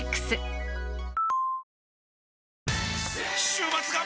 週末が！！